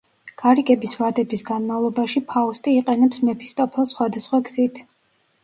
გარიგების ვადების განმავლობაში ფაუსტი იყენებს მეფისტოფელს სხვადასხვა გზით.